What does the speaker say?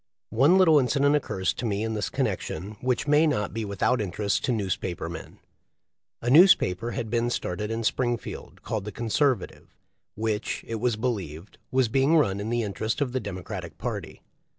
One little incident occurs to me in this connection which may not be without interest to newspaper men. A newspaper had been started in Springfield called the Conservative, which, it was believed, was being run in the interest of the Democratic party.